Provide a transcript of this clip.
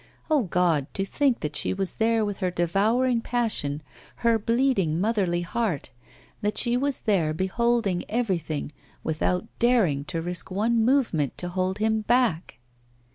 Oh, God! to think that she was there with her devouring passion, her bleeding motherly heart that she was there beholding everything, without daring to risk one movement to hold him back!